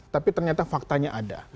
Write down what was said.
tapi ternyata faktanya ada